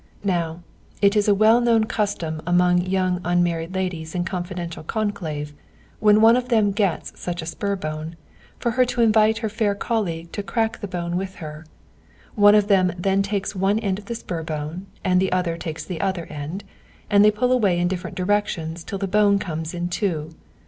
Now, it is a well known custom among young unmarried ladies in confidential conclave, when one of them gets such a spur bone, for her to invite her fair colleague to crack the bone with her. One of them then takes one end of the spur bone and the other takes the other end, and they pull away in different directions till the bone comes in two.